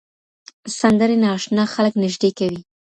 سندرې نااشنا خلک نږدې کوي.